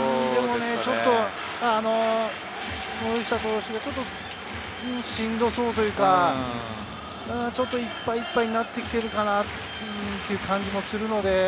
ちょっとしんどそうというか、いっぱいいっぱいになってきてるかなという感じもするので。